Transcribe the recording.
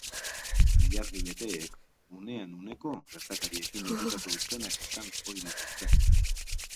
Ilargi beteek unean uneko gertakariekin lotutako izenak izan ohi dituzte.